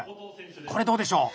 これどうでしょう？